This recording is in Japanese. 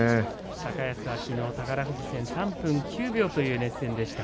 高安は、きのう宝富士戦３分９秒という熱戦でした。